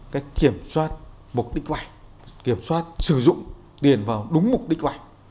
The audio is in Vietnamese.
cái kiểm soát mục đích vai kiểm soát sử dụng tiền vào đúng mục đích vai